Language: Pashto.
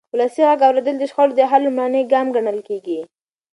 ولسي غږ اورېدل د شخړو د حل لومړنی ګام ګڼل کېږي